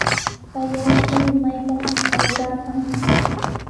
Kay allqumi maypapis qatiraakaman.